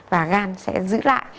và gan sẽ giữ lại